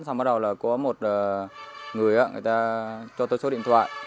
xong bắt đầu là có một người ta cho tôi số điện thoại